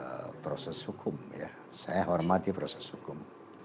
saya hormati kepada proses hukum ya saya hormati proses hukum